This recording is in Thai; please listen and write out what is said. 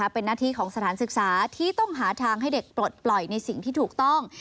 เป็นหน้าที่ของสถานศึกษาที่ต้องหาทางให้เด็กปลดปล่อยในสิ่งที่ถูกต้อง